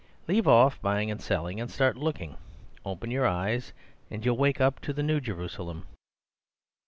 Leave off buying and selling, and start looking! Open your eyes, and you'll wake up in the New Jerusalem.